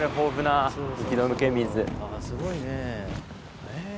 すごいね。